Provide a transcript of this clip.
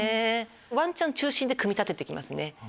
ワンちゃん中心で組み立てていきますね。